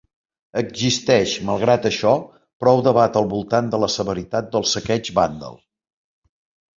Existeix, malgrat això, prou debat al voltant de la severitat del saqueig vàndal.